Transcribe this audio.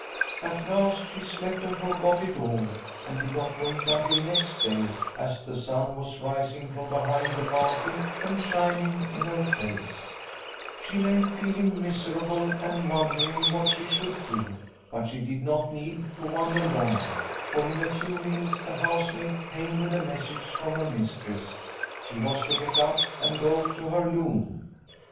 " At last she slept and forgot it all, and did not wake until next day as the sun was rising from behind the mountain and shining in her face. She lay, feeling miserable, and wondering what she should do. But she did not need to wonder long, for in a few minutes the house maid came with a message from her mistress ; she was to get up and go to her loom.